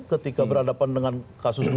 ketika berhadapan dengan kasus dua ratus dua belas